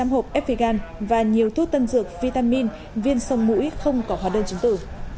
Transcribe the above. bảy trăm linh hộp effigan và nhiều thuốc tân dược vitamin viên sông mũi không có hóa đơn chứng tử